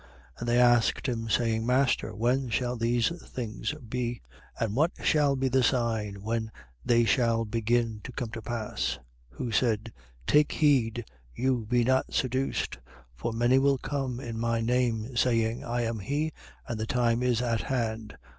21:7. And they asked him, saying: Master, when shall these things be? And what shall be the sign when they shall begin to come to pass? 21:8. Who said: Take heed you be not seduced: for many will come in my name, saying: I am he and the time is at hand.